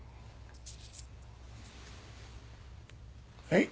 はい。